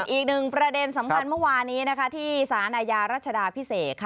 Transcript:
อีกหนึ่งประเด็นสำคัญเมื่อวานี้ที่สารอาญารัชดาพิเศษค่ะ